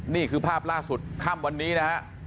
นี่คือภาพล่าสุดค่ำวันนี้นะฮะ